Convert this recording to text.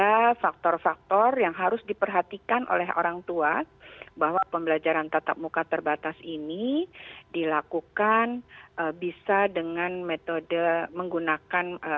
ada faktor faktor yang harus diperhatikan oleh orang tua bahwa pembelajaran tatap muka terbatas ini dilakukan bisa dengan metode menggunakan